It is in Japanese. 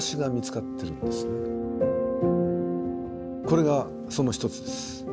これがその一つです。